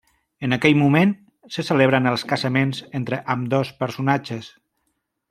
En aquell moment se celebren els casaments entre ambdós personatges.